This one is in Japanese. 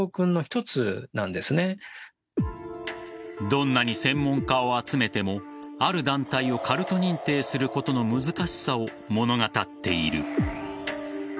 どんなに専門家を集めてもある団体をカルト認定することの難しさを物語っている。